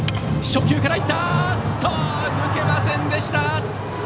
初球からいったが抜けませんでした。